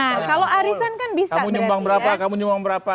nah kalau arisan kan bisa mau nyumbang berapa kamu nyumbang berapa